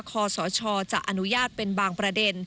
คศจะอนุญาตเป็นบางประเด็น